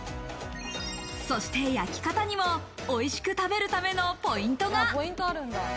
そして焼き方にも、おいしく食べるためのポイントが。